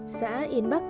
xã yên bắc